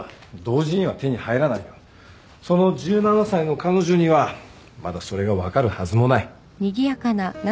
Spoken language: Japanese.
その１７歳の彼女にはまだそれが分かるはずもない。